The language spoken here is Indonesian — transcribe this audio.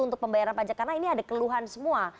untuk pembayaran pajak karena ini ada keluhan semua